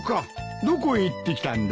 どこへ行ってきたんだ？